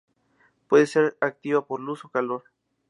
Puede ser activada por calor o luz.